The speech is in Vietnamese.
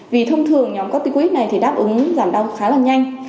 vì thông thường nhóm corticoid này thì đáp ứng giảm đau khá là nhanh